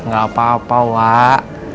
gak apa apa wak